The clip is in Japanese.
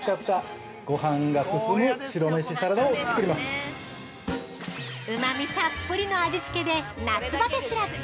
◆とろろが、あの◆うまみたっぷりの味付けで夏バテ知らず。